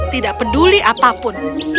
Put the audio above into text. tidak peduli apapun